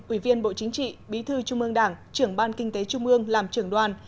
ủy viên bộ chính trị bí thư trung ương đảng trưởng ban kinh tế trung ương làm trưởng đoàn